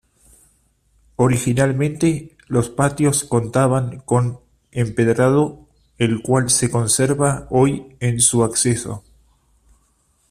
Originalmente, los patios contaban con empedrado, el cual se conserva hoy en su acceso.